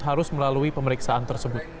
harus melalui pemeriksaan tersebut